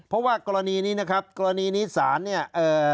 เพราะว่ากรณีนี้นะครับกรณีนี้ศาลเนี่ยเอ่อ